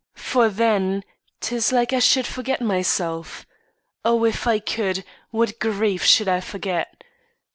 For then, 'tis like I should forget myself: O, if I could, what grief should I forget!